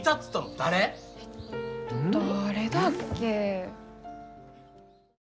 誰だっけ。